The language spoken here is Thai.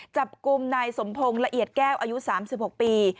จับกลุ่มนายสมพงศ์ละเอียดแก้วอายุ๓๖ปี